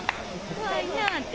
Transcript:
怖いなぁって。